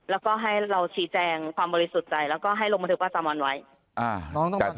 แล้วก็ให้เราชี้แจงความบริสุทธิ์ใจแล้วก็ให้ลงบันทึกประจำวันไว้อ่า